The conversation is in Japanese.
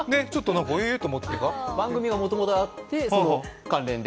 番組がもともとあって、その関連で。